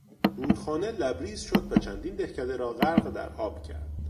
رودخانه لبریز شد و چندین دهکده را غرق در آب کرد.